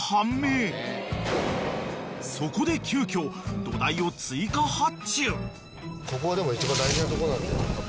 ［そこで急きょ土台を追加発注］